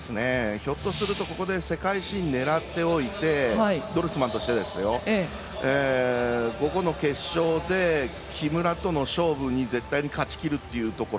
ひょっとするとここで世界新を狙っておいて午後の決勝で木村との勝負に絶対に勝ちきるというところ。